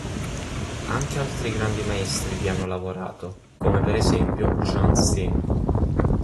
Anche altri grandi maestri vi hanno lavorato, come per esempio Jan Steen.